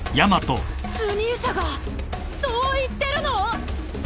象主がそう言ってるの！？